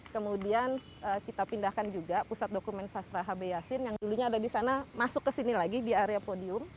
kemudian kita pindahkan juga pusat dokumen sastra hb yasin yang dulunya ada di sana masuk ke sini lagi di area podium